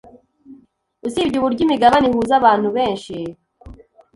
Usibye uburyo imigabane ihuza abantu benshi